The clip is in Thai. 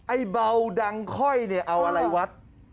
ไอ้บาวดังค่อยเอาอะไรวัด